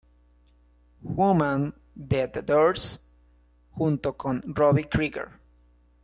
Woman" de The Doors, junto con Robby Krieger.